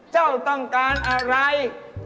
เจ้าต้องการอะไร